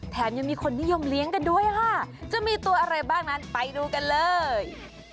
แถมยังมีคนนิยมเลี้ยงกันด้วยค่ะจะมีตัวอะไรบ้างนั้นไปดูกันเลย